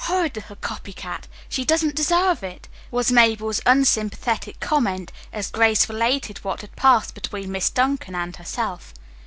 "Horrid little copy cat! She doesn't deserve it," was Mabel's unsympathetic comment as Grace related what had passed between Miss Duncan and herself.